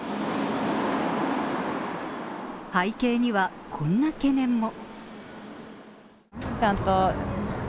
背景には、こんな懸念も。